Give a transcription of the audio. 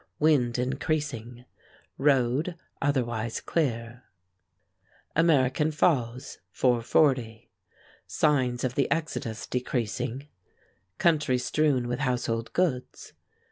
Wind increasing. Road otherwise clear. AMERICAN FALLS, 4:40. Signs of the exodus decreasing. Country strewn with household goods.